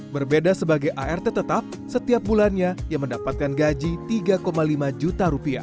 berbeda sebagai art tetap setiap bulannya ia mendapatkan gaji rp tiga lima juta